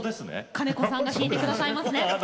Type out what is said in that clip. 金子さんが弾いてくださいますね？